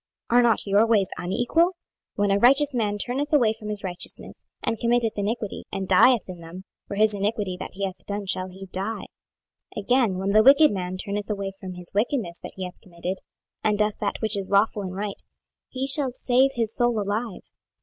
are not your ways unequal? 26:018:026 When a righteous man turneth away from his righteousness, and committeth iniquity, and dieth in them; for his iniquity that he hath done shall he die. 26:018:027 Again, when the wicked man turneth away from his wickedness that he hath committed, and doeth that which is lawful and right, he shall save his soul alive.